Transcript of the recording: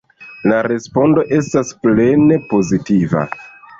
La respondo estas plene pozitiva.